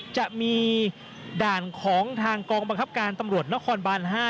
จะมีด่านของทางกองบังคับการตำรวจนครบาน๕